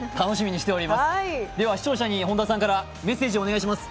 視聴者に本田さんからメッセージをお願いします。